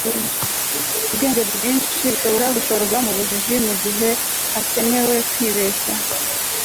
ubwenge bwinshi burashobora gushorwa mubujiji mugihe hakenewe kwibeshya